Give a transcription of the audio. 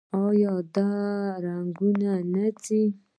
آیا دا رنګونه نه ځي؟